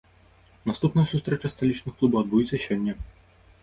Наступная сустрэча сталічных клубаў адбудзецца сёння.